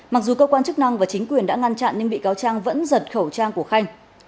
mặc dù cơ quan chức năng và chính quyền đã ngăn chặn nhưng bị cáo trang vẫn giật khẩu trang của khanh